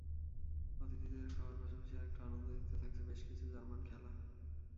অতিথিদের খাওয়ার পাশাপাশি আরেকটু আনন্দ দিতে থাকছে বেশ কিছু জার্মান খেলা।